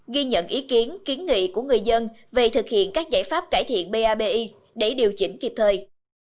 ghi nhận ý kiến kiến nghị của người dân về thực hiện các giải pháp cải thiện pabi để điều chỉnh kịp thời